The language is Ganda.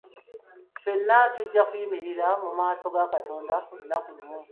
Ffenna tujja kuyimiria mu maaso ga Katonda olunaku olumu.